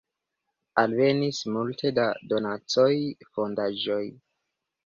Alvenis multe da donacoj, fondaĵoj.